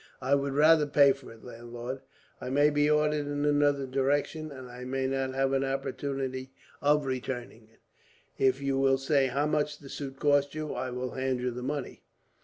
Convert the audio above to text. "I would rather pay for it, landlord. I may be ordered in another direction, and may not have an opportunity of returning it. If you will say how much the suit cost you, I will hand you the money."